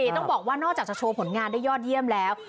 ต้องบอกว่านอกจากจะโชว์ผลงานได้ยอดเยี่ยมแล้ว